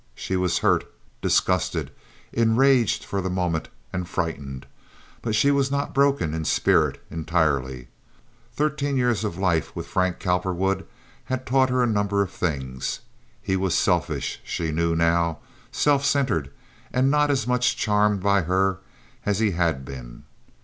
She was hurt, disgusted, enraged for the moment, and frightened; but she was not broken in spirit entirely. Thirteen years of life with Frank Cowperwood had taught her a number of things. He was selfish, she knew now, self centered, and not as much charmed by her as he had been.